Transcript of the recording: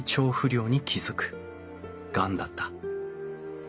がんだった。